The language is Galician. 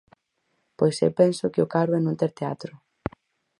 Pois eu penso que o caro é non ter teatro.